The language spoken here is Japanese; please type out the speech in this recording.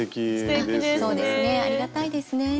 そうですねありがたいですね。